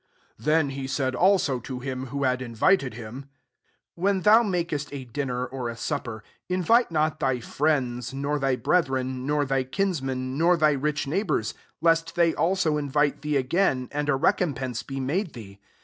IS Then he said also to him who had invited him, " When thou makest a dinner, or a sup per, invite not thy friends, nor thy brethren, [nor thy kinsmen,] nor tky rich neighbours; lest they also invite thee again, and a recompense be made thee.